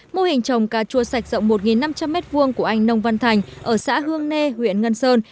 mô hình trồng cà chua sạch rộng một năm trăm linh m hai của anh nông văn thành ở xã hương nê huyện ngân sơn